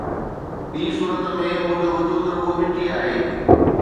ٻي صورت ۾ منهنجو وجود رڳو مٽي آهي.